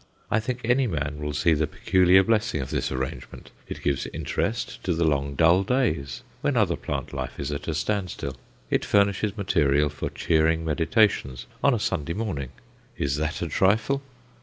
I think any man will see the peculiar blessing of this arrangement. It gives interest to the long dull days, when other plant life is at a standstill. It furnishes material for cheering meditations on a Sunday morning is that a trifle?